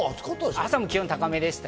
朝も気温が高めでした。